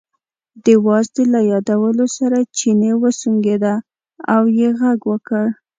د وازدې له یادولو سره چیني وسونګېده او یې غږ وکړ.